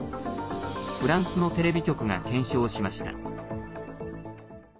フランスのテレビ局が検証しました。